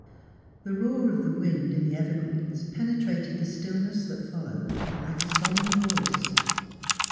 The roar of the wind in the evergreens penetrated the stillness that followed like a solemn voice.